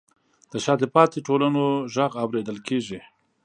د شاته پاتې ټولنو غږ اورېدل کیږي.